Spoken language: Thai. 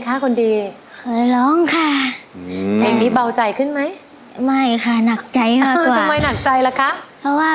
โปรดติดตามต่อไป